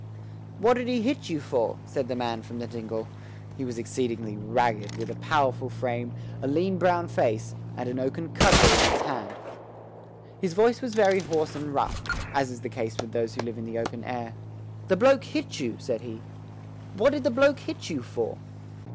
"What did he hit you for?" asked the man from the dingle. He was exceedingly ragged, with a powerful frame, a lean brown face, and an oaken cudgel in his hand. His voice was very hoarse and rough, as is the case with those who live in the open air. "The bloke hit you," said he. "What did the bloke hit you for?"